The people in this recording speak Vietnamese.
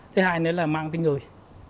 thứ hai là mang cái người